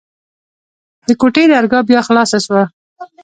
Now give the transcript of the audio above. د کوټې درګاه بيا خلاصه سوه.